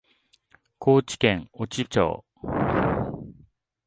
高知県越知町